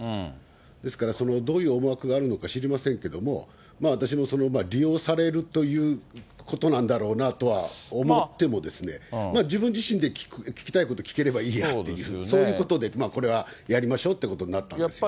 ですから、どういう思惑があるのか知りませんけども、私も利用されるということなんだろうなとは思っても、自分自身で聞きたいこと聞ければいいやっていう、そういうことで、これはやりましょうということになったんですよ。